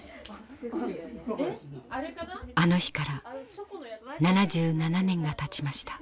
あの日から７７年がたちました。